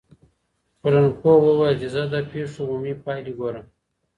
ټولنپوه وویل چي زه د پیښو عمومي پایلي ګورم.